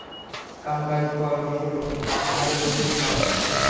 কাম কাইজ কর শুরু, মোরে যদি চাও।